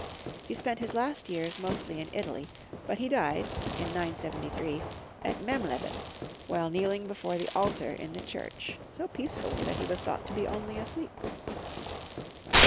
He spent his last years mostly in Italy, but he died, in 973, at Memleben, while kneeling before the altar in the church, so peace fully that he was thought to be only asleep.